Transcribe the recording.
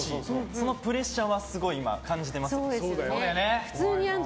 そのプレッシャーはすごい今感じてます。